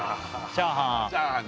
チャーハン！